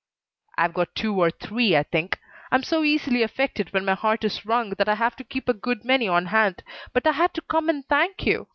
"I've got two or three, I think. I'm so easily affected when my heart is wrung that I have to keep a good many on hand. But I had to come and thank you.